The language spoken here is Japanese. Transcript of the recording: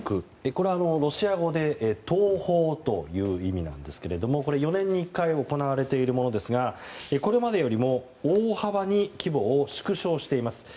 これはロシア語で東方という意味なんですがこれは４年に１回行われているものですがこれまでよりも大幅に規模を縮小しています。